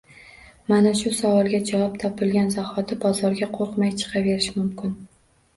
Mana shu savolga javob topilgan zahoti bozorga qo‘rqmay chiqaverish mumkin.